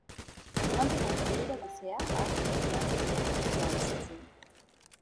Man konnte seine Bilder bisher auch in der Fernsehserie Friends sehen.